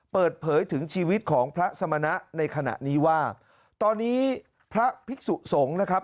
เปิดเผยถึงชีวิตของพระสมณะในขณะนี้ว่าตอนนี้พระภิกษุสงฆ์นะครับ